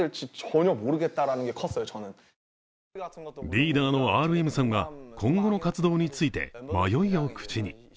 リーダーのＲＭさんは今後の活動について迷いを口に。